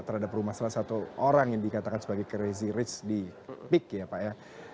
terhadap rumah salah satu orang yang dikatakan sebagai crazy rich di peak ya pak ya